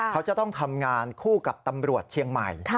เขาจะต้องทำงานคู่กับตำรวจเชียงใหม่